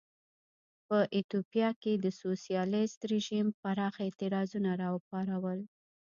په ایتوپیا کې د سوسیالېست رژیم پراخ اعتراضونه را وپارول.